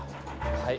はい。